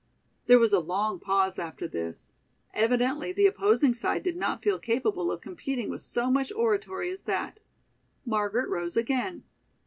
There was a long pause after this. Evidently the opposing side did not feel capable of competing with so much oratory as that. Margaret rose again.